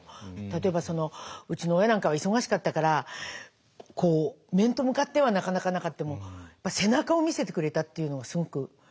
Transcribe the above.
例えばうちの親なんかは忙しかったから面と向かってはなかなかなかっても背中を見せてくれたっていうのがすごく。